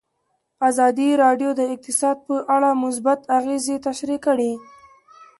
ازادي راډیو د اقتصاد په اړه مثبت اغېزې تشریح کړي.